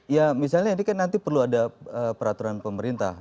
ya misalnya ini kan nanti perlu ada peraturan pemerintah